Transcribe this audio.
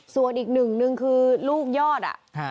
ส่วนอีกหนึ่งนึงคือลูกยอดอะ